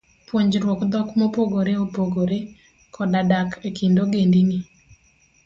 Puonjruok dhok mopogore opogore, koda dak e kind ogendini